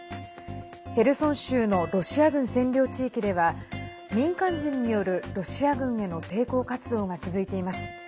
ヘルソン州のロシア軍占領地域では民間人によるロシア軍への抵抗活動が続いています。